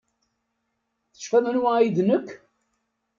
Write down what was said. Tecfam anwa ay d nekk?